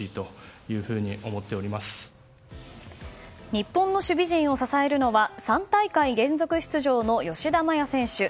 日本の守備陣を支えるのは３大会連続出場の吉田麻也選手